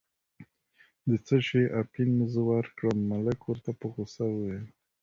د څه شي اپین زه ورکړم، ملک ورته په غوسه وویل.